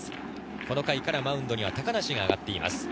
この回からマウンドには高梨が上がっています。